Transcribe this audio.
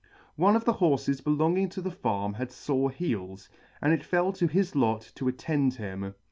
One of the horfes belonging to the farm had fore heels, and it fell to his lot to attend him.